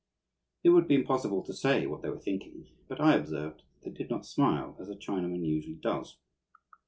It would be impossible to say what they were thinking, but I observed that they did not smile as a Chinaman usually does.